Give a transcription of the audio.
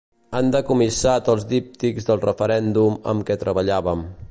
Han decomissat els díptics del referèndum amb què treballàvem.